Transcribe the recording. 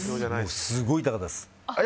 すごい痛かったです。